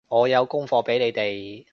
我有功課畀你哋